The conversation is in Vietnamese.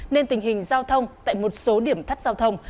nên tình hình giao thông tại một số điểm thắt giao thông